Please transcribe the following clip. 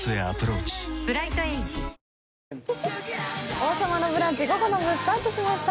「王様のブランチ」、午後の部スタートしました。